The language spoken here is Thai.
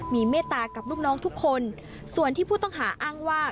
มีเมตตากับลูกน้องทุกคนส่วนที่ผู้ต้องหาอ้างว่า